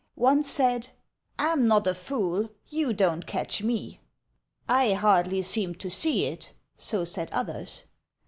One said, "I'm not a fool; you don't catch me:" "I hardly seem to see it!" so said others.